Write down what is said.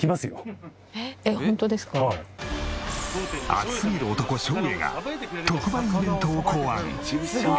熱すぎる男照英が特売イベントを考案！